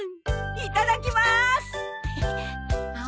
いただきまーす。